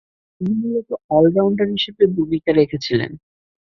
তিনি মূলতঃ অল-রাউন্ডার হিসেবে ভূমিকা রেখেছিলেন।